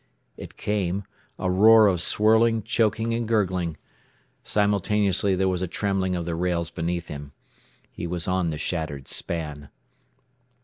It came, a roar of swirling, choking and gurgling. Simultaneously there was a trembling of the rails beneath him. He was on the shattered span.